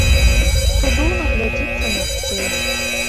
Цудоўна глядзіцца на сцэне.